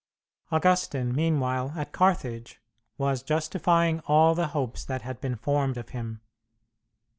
Augustine, meanwhile, at Carthage, was justifying all the hopes that had been formed of him.